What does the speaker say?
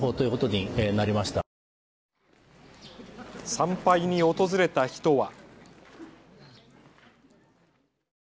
参拝に訪れた人は。